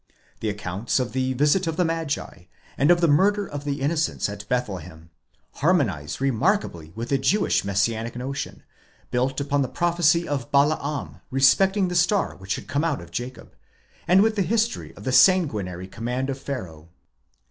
The accounts of the visit of the Magi, and of the murder of the innocents at Bethlehem, harmonize remarkably with the Jewish Messianic notion, built upon the prophecy of Balaam, respecting the star which should come out of Jacob; and with the history of the sanguinary command of Pharaoh.